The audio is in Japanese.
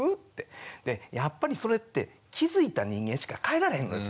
でやっぱりそれって気付いた人間しか変えられへんのですよ。